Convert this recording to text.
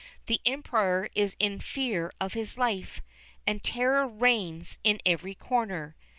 The Emperor is in fear of his life, and terror reigns in every corner.